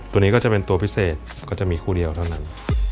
ตัวนี้ก็จะเป็นตัวพิเศษก็จะมีคู่เดียวเท่านั้น